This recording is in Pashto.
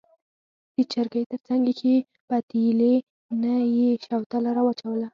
د چرګۍ تر څنګ ایښې پتیلې نه یې شوتله راواچوله.